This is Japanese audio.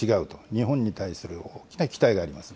日本に対する大きな期待があります。